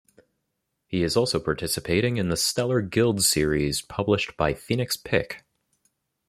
He is also participating in The Stellar Guild series published by Phoenix Pick.